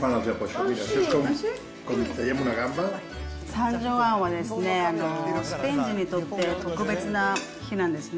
サンジョアンはですね、スペイン人にとって特別な日なんですね。